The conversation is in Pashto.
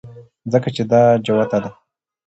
ځکه چې دا جوته ده